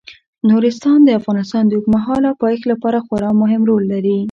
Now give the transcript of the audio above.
نورستان د افغانستان د اوږدمهاله پایښت لپاره خورا مهم رول لري.